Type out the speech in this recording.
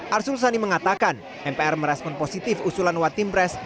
arsul sani mengatakan mpr merespon positif usulan one team press